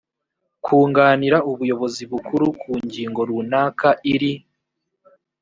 kunganira ubuyobozi bukuru ku ngingo runaka iri